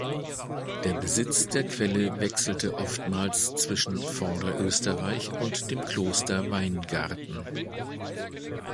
Der Besitz der Quelle wechselte oftmals zwischen Vorderösterreich und dem Kloster Weingarten.